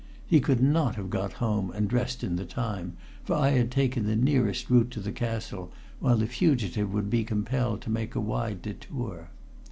He could not have got home and dressed in the time, for I had taken the nearest route to the castle while the fugitive would be compelled to make a wide detour.